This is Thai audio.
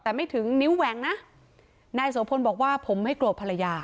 แต่ไม่ถึงนิ้วแหว่งนะนายโสพลบอกว่าผมไม่โกรธภรรยา